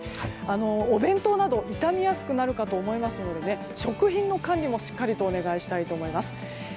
お弁当など傷みやすくなるかと思いますので食品の管理もしっかりお願いしたいと思います。